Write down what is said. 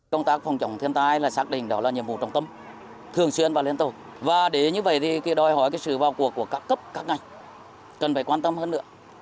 công tác phòng chống thiên tai là xác định đó là nhiệm vụ trọng tâm thường xuyên và liên tục và để như vậy thì đòi hỏi sự vào cuộc của các cấp các ngành cần phải quan tâm hơn nữa